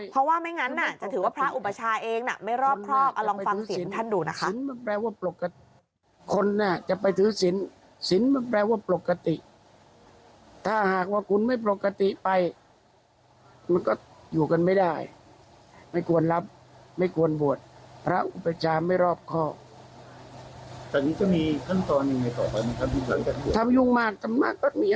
เพราะว่าไม่งั้นจะถือว่าพระอุปชาเองไม่รอบครอบลองฟังเสียงท่านดูนะคะ